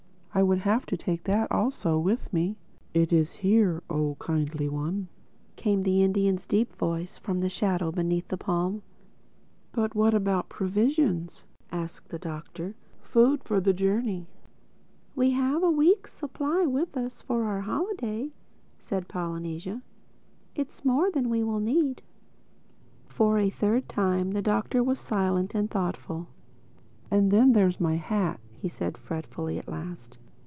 "I would have to take that also with me." "It is here, Oh Kindly One," came the Indian's deep voice from the shadow beneath the palm. "But what about provisions," asked the Doctor—"food for the journey?" "We have a week's supply with us, for our holiday," said Polynesia—"that's more than we will need." For a third time the Doctor was silent and thoughtful. "And then there's my hat," he said fretfully at last.